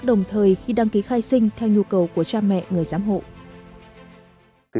đồng thời khi đăng ký khai sinh theo nhu cầu của cha mẹ người giám hộ